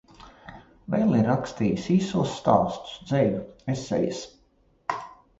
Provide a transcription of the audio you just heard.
Vēl ir rakstījis īsos stāstus, dzeju, esejas.